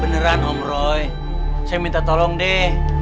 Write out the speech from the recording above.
beneran om roy saya minta tolong deh